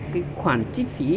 cái khoản chi phí